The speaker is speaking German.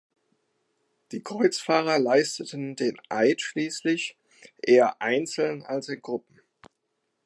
Die Kreuzfahrer leisteten den Eid schließlich, eher einzeln als in Gruppen.